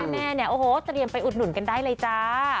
แม่เนี่ยโอ้โหเตรียมไปอุดหนุนกันได้เลยจ้า